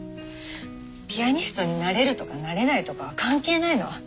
ピアニストになれるとかなれないとかは関係ないの。